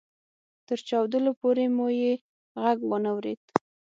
تر چاودلو پورې مو يې ږغ وانه اورېد.